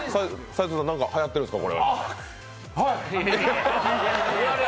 斉藤さん、何かはやってるんですか？